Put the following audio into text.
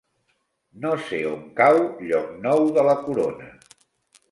No sé on cau Llocnou de la Corona.